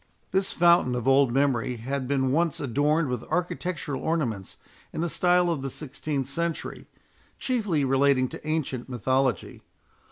This fountain of old memory had been once adorned with architectural ornaments in the style of the sixteenth century, chiefly relating to ancient mythology.